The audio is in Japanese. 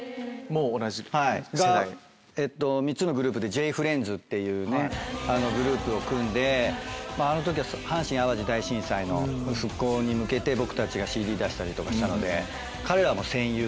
３つのグループでＪ−ＦＲＩＥＮＤＳっていうグループを組んであの時は阪神・淡路大震災の復興に向けて僕たちがＣＤ出したりとかしたので彼らはもう。